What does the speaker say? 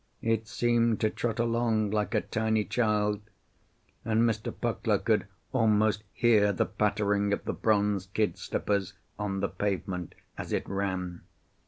It seemed to trot along like a tiny child, and Mr. Puckler could almost hear the pattering of the bronze kid slippers on the pavement as it ran.